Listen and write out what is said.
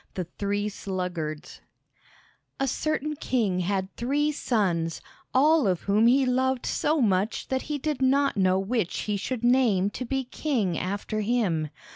The Three Sluggards A certain king had three sons, all of whom he loved so much that he did not know which he should name to be king after him.